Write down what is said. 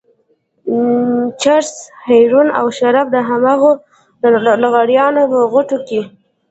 چرس، هيروين او شراب د همدغو لغړیانو په غوټو کې.